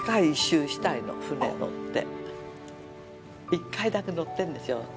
１回だけ乗ってんですよ